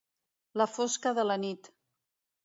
La fosca de la nit.